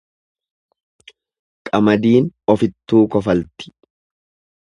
Qamadiin ofittuu kofalti.